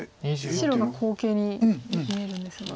白が好形に見えるんですが。